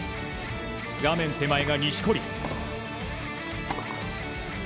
画面手前が錦織。